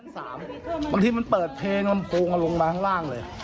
บางทีมันเปิดเพลงมันฟูงกันลงมาข้างล่างเลย